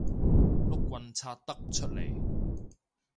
碌棍拆得出嚟